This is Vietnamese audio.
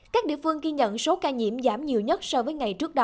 các địa phương ghi nhận số ca nhiễm giảm nhiều nhất so với ngày trước đó